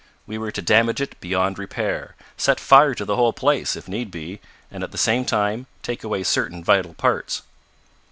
"We were to damage it beyond repair, set fire to the whole place, if need be, and, at the same time, take away certain vital parts.